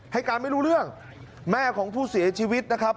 ให้การไม่รู้เรื่องแม่ของผู้เสียชีวิตนะครับ